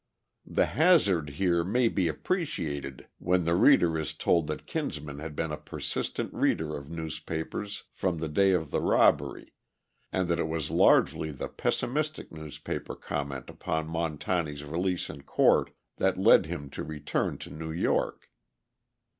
The hazard here may be appreciated when the reader is told that Kinsman had been a persistent reader of newspapers from the day of the robbery, and that it was largely the pessimistic newspaper comment upon Montani's release in court that led him to return to New York.